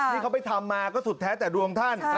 ที่เขาไปทำมาก็สุดแท้แต่ดวงท่าน